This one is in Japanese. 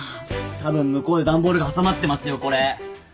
たぶん向こうで段ボールが挟まってますよこれ。